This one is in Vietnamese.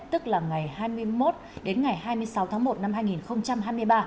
tức là ngày hai mươi một đến ngày hai mươi sáu tháng một năm hai nghìn hai mươi ba